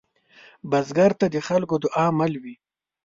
بزګر ته د خلکو دعاء مل وي